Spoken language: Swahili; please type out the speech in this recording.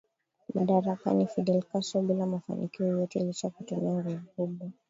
Madarakani Fidel Castro bila mafanikio yoyote licha kutumia nguvu kubwa